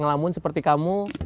ngelamun seperti kamu